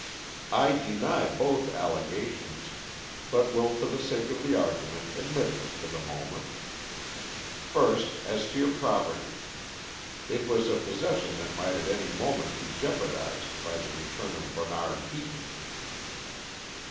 "I deny both allegations, but will for the sake of the argument admit them for the moment. First, as to your property. It was a possession that might at any moment be jeopardised by the return of Bernard Heaton."